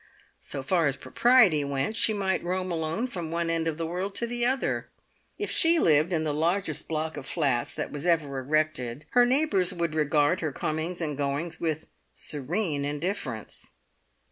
So far as propriety went, she might roam alone from one end of the world to the other. If she lived in the largest block of flats that was ever erected, her neighbours would regard her comings and goings with serene indifference.